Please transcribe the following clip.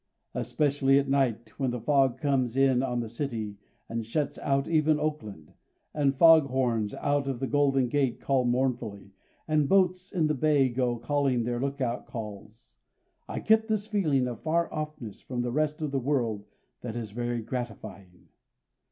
Especially at night when the fog comes in on the city and shuts out even Oakland, and fog horns out of the Golden Gate call mournfully, and boats in the bay go calling their lookout calls, I get this feeling of far offness from the rest of the world that is very gratifying.